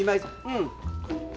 うん。